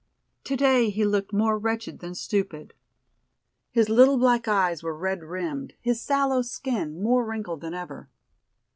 Today he looked more wretched than stupid. His little black eyes were red rimmed, his sallow skin more wrinkled than ever.